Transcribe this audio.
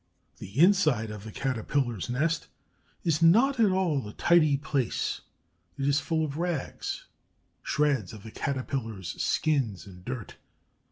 The inside of the Caterpillars' nest is not at all a tidy place; it is full of rags, shreds of the Caterpillars' skins, and dirt.